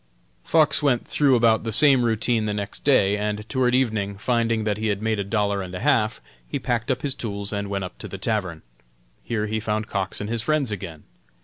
Fox went through about the same routine the next day, and toward evening, finding that he had made a dollar and a half, he packed up his tools and went up to the tavern. Here he found Cox and his friends again.